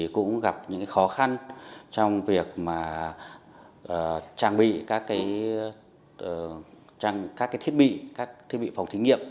cũng gặp những khó khăn trong việc trang bị các thiết bị